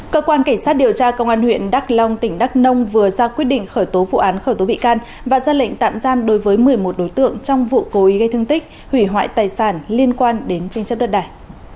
cơ quan cảnh sát điều tra công an huyện đắk long tỉnh đắk nông vừa ra quyết định khởi tố vụ án khởi tố bị can và ra lệnh tạm giam đối với một mươi một đối tượng trong vụ cố ý gây thương tích hủy hoại tài sản liên quan đến tranh chấp đất đài